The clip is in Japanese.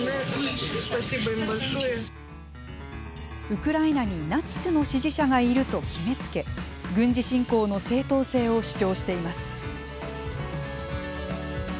ウクライナにナチスの支持者がいると決めつけ軍事侵攻の正当性を主張しています。